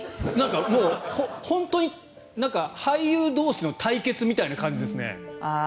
本当に俳優同士の対決みたいな感じですね。